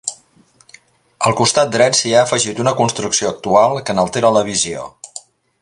Al costat dret s'hi ha afegit una construcció actual que n'altera la visió.